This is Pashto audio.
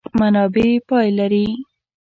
منابع پای لري.